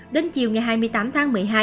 đến chiều ngày hai mươi tám tháng một mươi hai